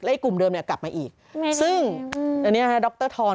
แล้วก็ให้กลุ่มเดิมเนี้ยกลับมาอีกซึ่งอันเนี้ยด็อกเตอร์ทอน